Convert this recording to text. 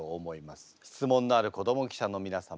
質問のある子ども記者の皆様